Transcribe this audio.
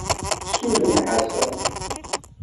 Suden Ḥasan!